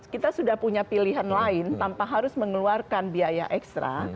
kita sudah punya pilihan lain tanpa harus mengeluarkan biaya ekstra